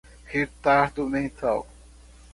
retardo mental